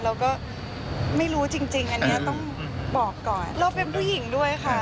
โอเคดีขึ้นเรื่อยนะดิต้าน